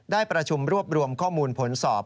ได้ประชุมรวบรวมข้อมูลผลสอบ